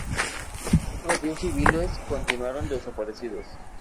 Otros diez civiles continuaron desaparecidos.